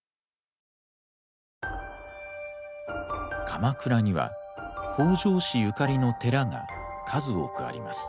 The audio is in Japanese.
鎌倉には北条氏ゆかりの寺が数多くあります。